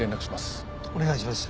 お願いします。